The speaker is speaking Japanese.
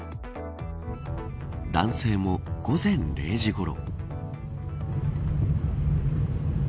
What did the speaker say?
男性も午前０時ごろ。